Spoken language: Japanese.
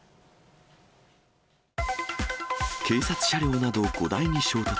警察車両など５台に衝突。